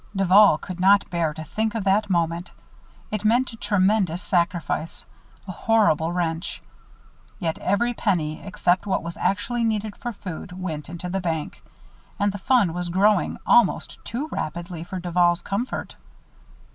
Duval could not bear to think of that moment. It meant a tremendous sacrifice a horrible wrench. Yet every penny, except what was actually needed for food, went into the bank. And the fund was growing almost too rapidly for Duval's comfort.